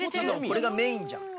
これがメインじゃん。